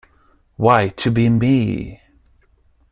Why to be me?!